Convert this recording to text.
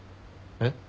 えっ？